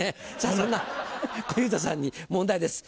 そんな小遊三さんに問題です。